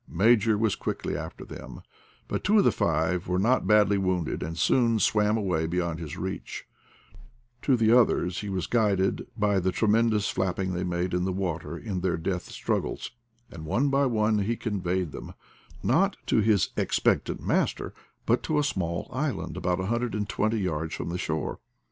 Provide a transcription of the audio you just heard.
Major was quickly after them, but two of the five were not badly wounded, and soon swam away beyond his reach; to the others he was guided by the tremendous flapping they made in the water in their death struggles; and one by one he conveyed them, not to his expectant master, but to a small island about a hundred and twenty yards from the shore.